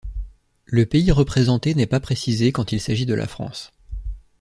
Le pays représenté n'est pas précisé quand il s'agit de la France.